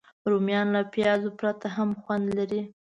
رومیان له پیاز پرته هم خوند لري